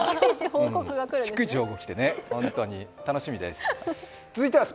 逐一報告来てね、ホントに楽しみです。